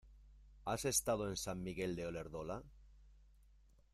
¿Has estado en San Miguel de Olerdola?